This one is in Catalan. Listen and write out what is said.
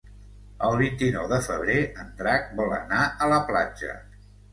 El vint-i-nou de febrer en Drac vol anar a la platja.